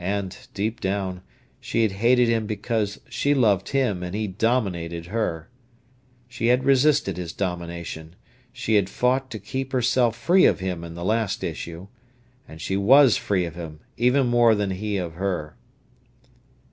And, deep down, she had hated him because she loved him and he dominated her. She had resisted his domination. She had fought to keep herself free of him in the last issue. And she was free of him, even more than he of her.